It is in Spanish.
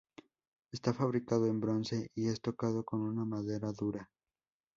Está fabricado en bronce y es tocado con una madera dura.